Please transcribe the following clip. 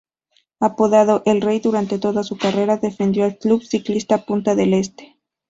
Apodado "El Rey", durante toda su carrera defendió al club Ciclista Punta del Este.